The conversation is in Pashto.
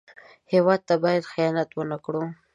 هېواد ته باید خیانت ونه کړو